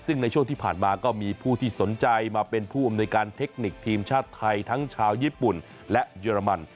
ซึ่งในช่วงที่ผ่านมาก็มีผู้ที่สนใจมาเป็นผู้อำนวยการเทคนิคทีมชาติไทยทั้งชาวญี่ปุ่นและเยอรมัน